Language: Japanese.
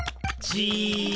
じ。